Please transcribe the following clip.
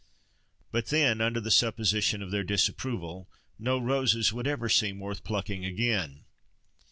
But then, under the supposition of their disapproval, no roses would ever seem worth plucking again.